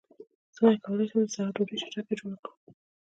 څنګه کولی شم د سحر ډوډۍ چټکه جوړه کړم